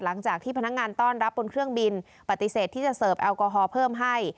หลังจากที่พนักงานต้อนรับบนเครื่องบินปฏิเสธที่จะเสิร์ฟแอลกอฮอล์เพิ่มให้